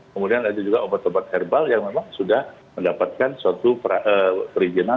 kemudian ada juga obat obat herbal yang memang sudah mendapatkan suatu perizinan